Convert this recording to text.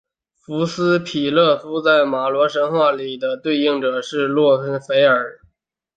福斯否洛斯在罗马神话里的对应者是路喀斐耳。